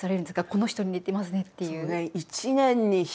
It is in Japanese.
この人に似てますねっていう。